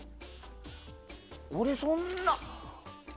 俺そんな。